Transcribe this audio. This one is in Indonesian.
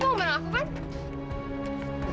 kamu mau sama aku kan